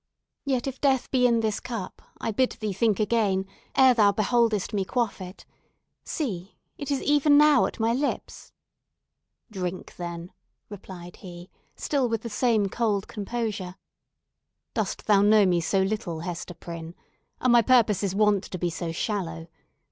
Yet, if death be in this cup, I bid thee think again, ere thou beholdest me quaff it. See! it is even now at my lips." "Drink, then," replied he, still with the same cold composure. "Dost thou know me so little, Hester Prynne? Are my purposes wont to be so shallow?